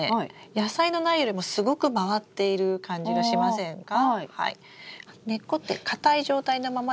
野菜の苗よりもすごく回っている感じがしませんか？